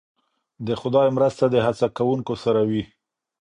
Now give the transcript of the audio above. د خدای مرسته د هڅه کوونکو سره وي.